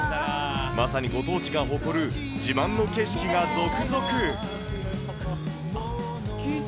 まさにご当地が誇る自慢の景色が続々。